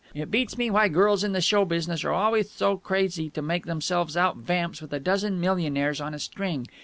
It beats me why girls in the show business are alwayth tho crazy to make themselves out vamps with a dozen millionaires on a string.